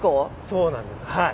そうなんですはい。